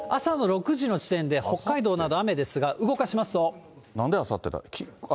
朝の６時の時点で北海道など雨でなんであさって？